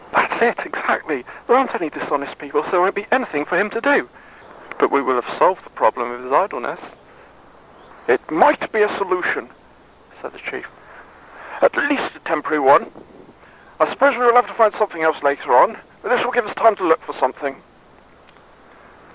"That's it, exactly. There aren't any dishonest people, so there won't be anything for him to do. But we will have solved the problem of his idleness." "It might be a solution," said the Chief. "At least, a temporary one. I suppose we will have to find something else later on. But this will give us time to look for something."